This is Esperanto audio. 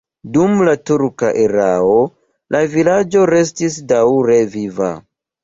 Dum la turka erao la vilaĝo restis daŭre viva.